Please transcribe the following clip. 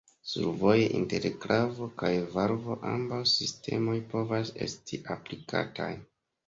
Survoje inter klavo kaj valvo ambaŭ sistemoj povas esti aplikataj.